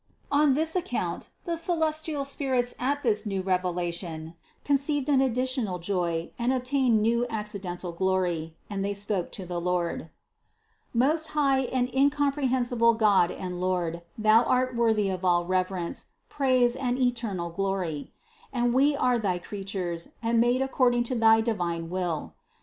201. On this account the celestial spirits at this new revelation conceived an additional joy and obtained new accidental glory, and they spoke to the Lord: "Most High and incomprehensible God and Lord, Thou art worthy of all reverence, praise and eternal glory; and we are thy creatures and made according to thy divine will.